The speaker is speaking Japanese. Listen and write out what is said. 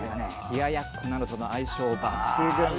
冷ややっこなどとの相性抜群。